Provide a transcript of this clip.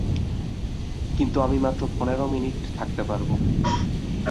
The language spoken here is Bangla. কিন্তু আমি মাত্র পনের মিনিট থাকতে পারব।